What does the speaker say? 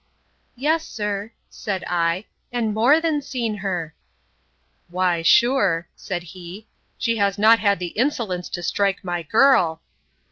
Yes, sir, said I, and more than seen her!—Why sure, said he, she has not had the insolence to strike my girl!